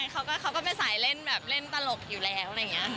เขาก็เป็นสายเล่นแบบเล่นตลกอยู่แล้ว